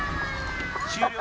終了？